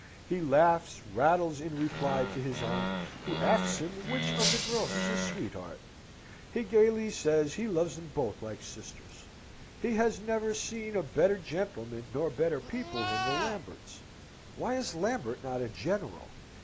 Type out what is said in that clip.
He laughs, rattles in reply to his aunt, who asks him which of the girls is his sweetheart? He gaily says he loves them both like sisters. He has never seen a better gentleman, nor better people, than the Lamberts. Why is Lambert not a general?